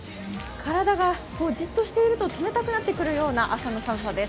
体がじっとしていると冷たくなってくるような朝の寒さです。